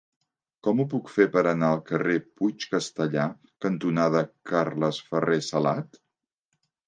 Com ho puc fer per anar al carrer Puig Castellar cantonada Carles Ferrer Salat?